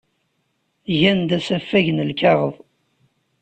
Gan-d asafag n lkaɣeḍ.